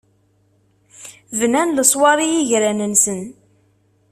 Bnan leṣwaṛ i yigran-nsen.